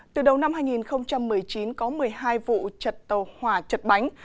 từ đầu năm hai nghìn một mươi chín có một mươi hai vụ chật tàu hỏa chật bánh